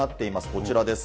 こちらです。